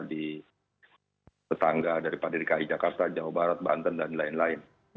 di tetangga daripada dki jakarta jawa barat banten dan lain lain